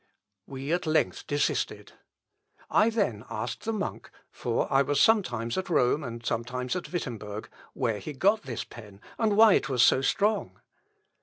We at length desisted. I then asked the monk (for I was sometimes at Rome and sometimes at Wittemberg) where he got this pen, and why it was so strong.